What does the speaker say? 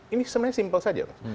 ini sebenarnya simpel saja